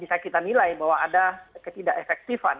bisa kita nilai bahwa ada ketidak efektifan